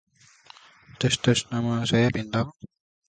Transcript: If he were cleverer, we would have learnt about it in time.